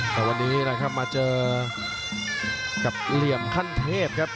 แต่วันนี้นะครับมาเจอกับเหลี่ยมขั้นเทพครับ